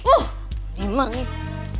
oh diman ibu